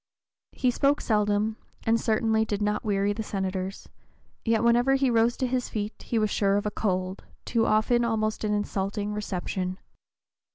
He spoke seldom, and certainly did not weary the Senators, yet whenever he rose to his feet he was sure of a cold, too often almost an insulting, reception.